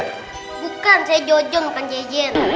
bukan saya jojong bukan jejen